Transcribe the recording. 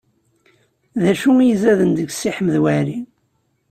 D acu i izaden deg Si Ḥmed Waɛli?